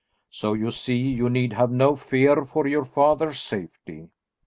So you see you need have no fear for your father's safety."